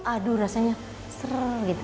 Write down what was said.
aduh rasanya seru gitu